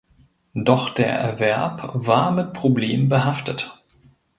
Doch der Erwerb war mit Problemen behaftet.